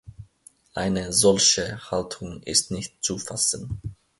Eine solche Haltung ist nicht zu fassen.